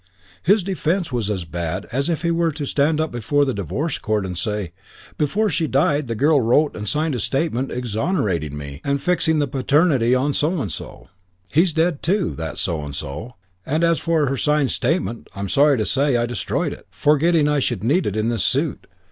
His defence was as bad as if he were to stand up before the Divorce Court and say, 'Before she died the girl wrote and signed a statement exonerating me and fixing the paternity on so and so. He's dead, too, that so and so, and as for her signed statement, I'm sorry to say I destroyed it, forgetting I should need it in this suit.